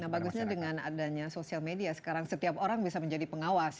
nah bagusnya dengan adanya sosial media sekarang setiap orang bisa menjadi pengawas